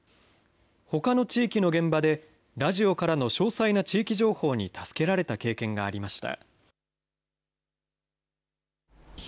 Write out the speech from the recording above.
ほかの地域の現場でラジオからの詳細な地域情報に助けられた経験がありました。